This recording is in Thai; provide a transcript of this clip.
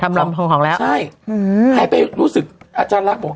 ทำร้ำแล้วใช่อือให้ไปรู้สึกอาจารย์รักบอก